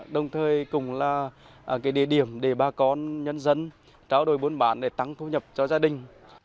đồng thời cũng là địa điểm để bà con nhân dân tráo đổi bốn bản để tăng thu nhập cho gia đình